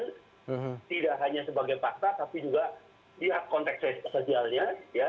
tidak hanya sebagai fakta tapi juga lihat konteks sosialnya